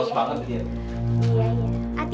kayaknya aus banget ya